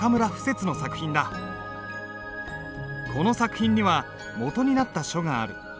この作品には元になった書がある。